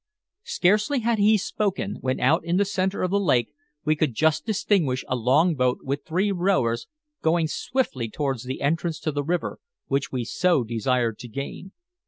Scarcely had he spoken when out in the center of the lake we could just distinguish a long boat with three rowers going swiftly towards the entrance to the river, which we so desired to gain.